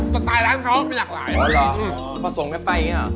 ประสงค์ไงไปไอ้เนี่ยอ๋อ